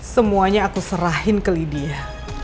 semuanya aku serahin ke lidia